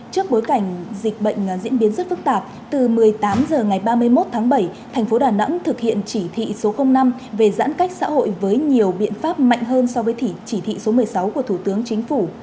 trước bối cảnh dịch bệnh diễn biến rất phức tạp từ một mươi tám h ngày ba mươi một tháng bảy thành phố đà nẵng thực hiện chỉ thị số năm về giãn cách xã hội với nhiều biện pháp mạnh hơn so với chỉ thị số một mươi sáu của thủ tướng chính phủ